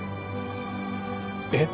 えっ？